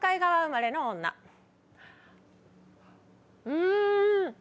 うん！